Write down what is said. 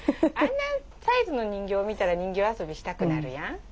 あんなサイズの人形見たら人形遊びしたくなるやん。